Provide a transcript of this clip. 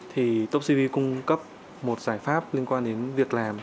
thì topcv cung cấp một giải pháp liên quan đến việc làm